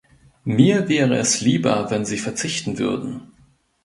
Mir wäre es lieber, wenn Sie verzichten würden.